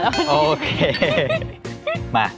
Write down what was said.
โอเค